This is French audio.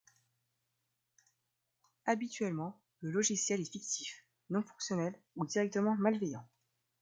Habituellement, le logiciel est fictif, non-fonctionnel ou directement malveillant.